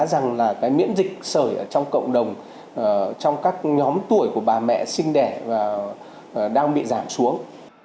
rằng miễn dịch sởi trong cộng đồng trong các nhóm tuổi của bà mẹ sinh đẻ đang bị giảm xuống